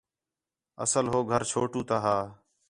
اصل ہو گھر چھوٹو تا ہا